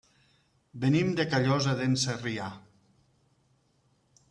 Venim de Callosa d'en Sarrià.